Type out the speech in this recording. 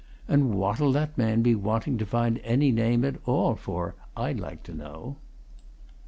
And what'll that man be wanting to find any name at all for, I'd like to know!"